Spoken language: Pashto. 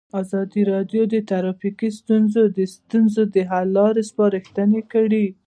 ازادي راډیو د ټرافیکي ستونزې د ستونزو حل لارې سپارښتنې کړي.